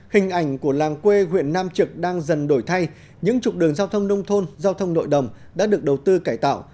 hình ảnh của làng quê huyện nam trực đang dần đổi thay những trục đường giao thông nông thôn giao thông nội đồng đã được đầu tư cải tạo